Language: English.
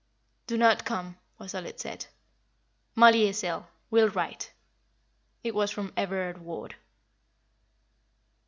"Do not come," was all it said. "Mollie is ill will write." It was from Everard Ward.